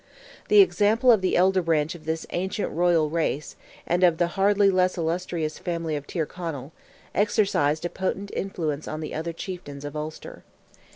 The example of the elder branch of this ancient royal race, and of the hardly less illustrious family of Tyrconnell, exercised a potent influence on the other chieftains of Ulster.